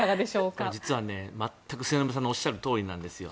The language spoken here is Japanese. これ実は全く末延さんがおっしゃるとおりなんですよ。